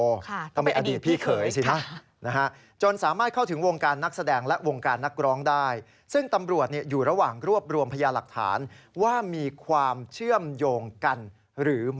ที่ลองแหม่งได้ล่ะค่ะทำให้อดีตพี่เขยสิหน่านะฮะจนสามารถเข้าถึงวงการนักแสดงและวงการนักร้องได้ซึ่งตำรวจอยู่ระหว่างรวบรวมพญาหลักฐานว่ามีความเชื่อมโยงกันหรือไม่ครับ